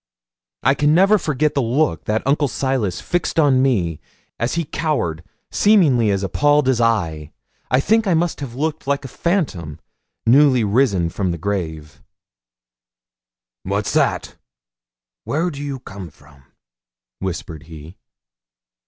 I can never forget the look that Uncle Silas fixed on me as he cowered, seemingly as appalled as I. I think I must have looked like a phantom newly risen from the grave. 'What's that? where do you come from?' whispered he.